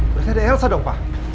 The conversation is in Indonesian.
berarti ada elsa dong pak